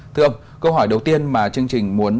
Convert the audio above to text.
thưa ông câu hỏi đầu tiên mà chương trình muốn